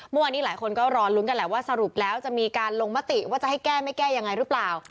เมื่อวานนี้หลายคนก็รอลุ้นกันแหละว่าสรุปแล้วจะมีการลงมติว่าจะให้แก้ไม่แก้ยังไงหรือเปล่า